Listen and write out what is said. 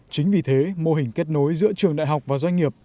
chính vì thế mô hình kết nối giữa trường đại học và doanh nghiệp